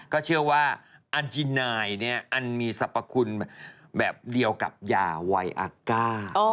ก็เชื่อว่าอันจินายอันมีสรรพคุณแบบเดียวกับยาไวอาก้า